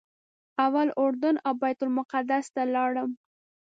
اول اردن او بیت المقدس ته لاړم.